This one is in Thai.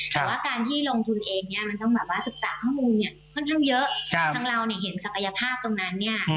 แต่ว่าการที่ลงทุนเองเนี่ยมันต้องแบบว่าศึกษาข้อมูลเนี่ยค่อนข้างเยอะทั้งเราเนี่ยเห็นศักยภาพตรงนั้นเนี่ย